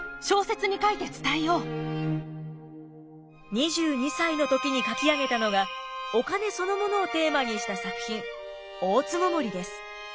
２２歳の時に書き上げたのがお金そのものをテーマにした作品「大つごもり」です。